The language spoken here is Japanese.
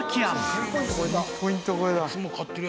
「１０００ポイント超えだ」